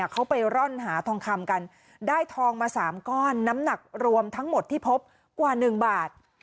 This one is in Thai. เขาไปร่อนหาทองคำกันได้ทองมา๓ก้อนน้ำหนักรวมทั้งหมดที่พบกว่า๑บาท